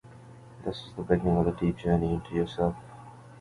This is the beginning of a deep journey into yourself